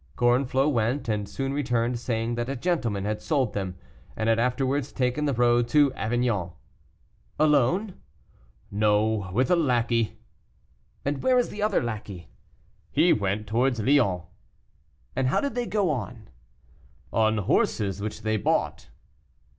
Gorenflot went, and soon returned, saying that a gentleman had sold them, and had afterwards taken the road to Avignon. "Alone?" "No, with a lackey." "And where is the other lackey?" "He went towards Lyons." "And how did they go on?" "On horses which they bought."